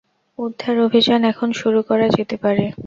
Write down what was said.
উদ্ধার অভিযান এখন শুরু করা যেতে পারে।